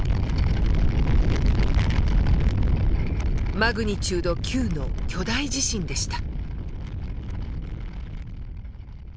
マグニチュード９の巨大地震でした。